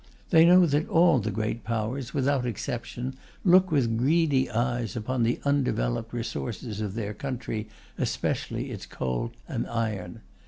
They know that all the Great Powers, without exception, look with greedy eyes upon the undeveloped resources of their country, especially its coal and iron.